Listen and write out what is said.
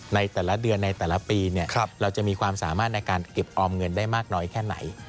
ในแต่ละเดือนในแต่ละปีเราจะมีความสามารถในการเก็บออมเงินได้มากน้อยแค่ไหน